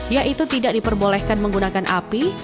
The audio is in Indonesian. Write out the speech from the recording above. yaitu tidak diperbolehkan menggunakan api